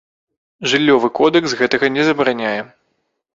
Жыллёвы кодэкс гэтага не забараняе.